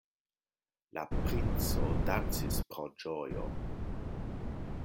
La princo dancis pro ĝojo.